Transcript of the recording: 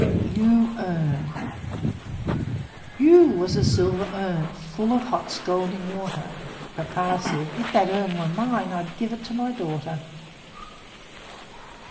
U U was a silver urn, Full of hot scalding water; Papa said, "If that Urn were mine, I'd give it to my daughter!"